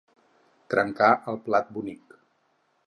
Trencar el plat bonic.